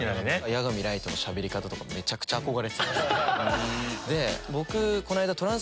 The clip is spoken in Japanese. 夜神月のしゃべり方とかもめちゃくちゃ憧れてた。